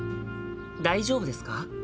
「大丈夫ですか？」。